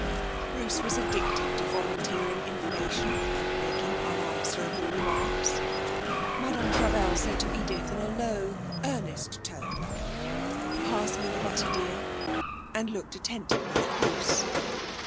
Bruce was addicted to volunteering information, and making unanswerable remarks. Madame Frabelle said to Edith in a low, earnest tone: 'Pass me the butter, dear,' and looked attentively at Bruce.